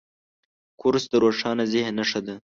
کورس د روښانه ذهن نښه ده.